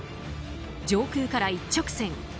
上空から一直線。